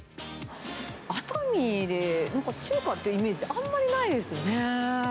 熱海でなんか中華ってイメージ、あんまりないですね。